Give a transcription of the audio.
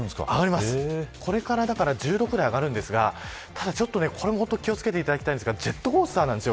これから１０度ぐらい上がるんですけど気を付けていただきたいんですがジェットコースターなんですよ